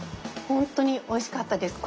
本当においしかったです。